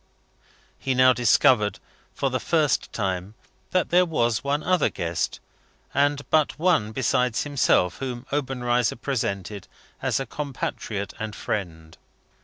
He now discovered, for the first time, that there was one other guest, and but one, besides himself, whom Obenreizer presented as a compatriot and friend.